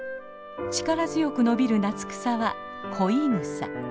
力強く伸びる夏草は「恋草」。